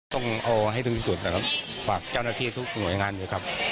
ต้องเอาให้ถึงที่สุดนะครับฝากเจ้าหน้าที่ทุกหน่วยงานอยู่ครับ